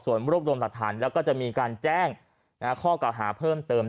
ส่วนรวบรวมหลักฐานแล้วก็จะมีการแจ้งข้อเก่าหาเพิ่มเติม